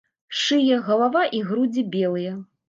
Шыя, галава і грудзі белыя.